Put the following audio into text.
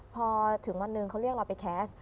พอถึงวันหนึ่งเขาเรียกเราไปแคสต์